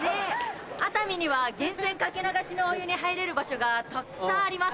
熱海には源泉掛け流しのお湯に入れる場所がたくさんあります。